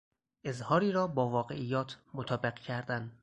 اظهاری را با واقعیات مطابق کردن